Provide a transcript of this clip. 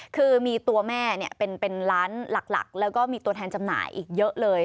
คือมีตัวแม่เป็นร้านหลักแล้วก็มีตัวแทนจำหน่ายอีกเยอะเลย